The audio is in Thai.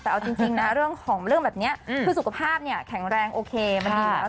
แต่เอาจริงเรื่องแบบนี้คือสุขภาพแข็งแรงโอเคมันดีแล้ว